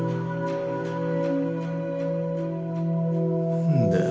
何だよ